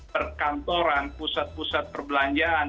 perkantoran pusat pusat perbelanjaan